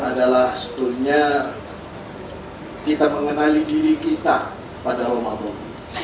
adalah studinya kita mengenali diri kita pada ramadan